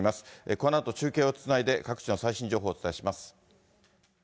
このあと中継をつないで、各地の最新情報をお伝えします。